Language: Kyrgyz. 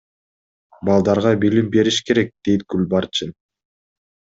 Балдарга билим бериш керек, — дейт Гүлбарчын.